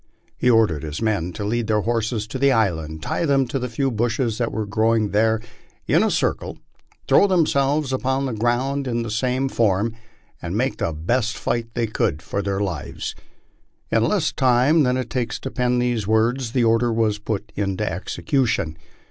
He or dered his men to lead their horses to the island, tie them to the few bushes that were growing there in a circle, throw themselves upon the ground in the same form, and make the best fight they could for their lives. In less time than it takes to pen these words, the order was put into execution.